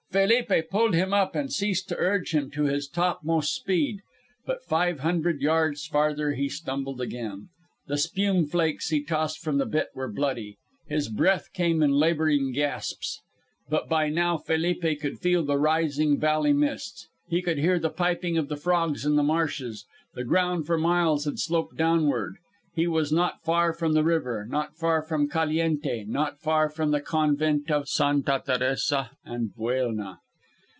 Felipe pulled him up and ceased to urge him to his topmost speed. But five hundred yards farther he stumbled again. The spume flakes he tossed from the bit were bloody. His breath came in labouring gasps. But by now Felipe could feel the rising valley mists; he could hear the piping of the frogs in the marshes. The ground for miles had sloped downward. He was not far from the river, not far from Caliente, not far from the Convent of Santa Teresa and Buelna.